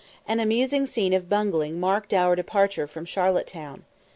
An amusing scene of bungling marked our departure from Charlotte Town.